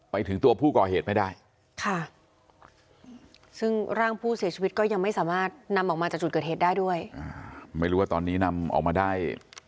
ไปถึงตัวผู้ก่อเหตุไม่ได้